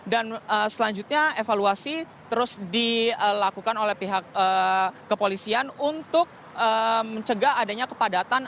dan selanjutnya evaluasi terus dilakukan oleh pihak kepolisian untuk mencegah adanya kepadatan